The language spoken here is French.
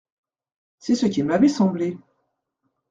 C’est ce qu’il m’avait semblé…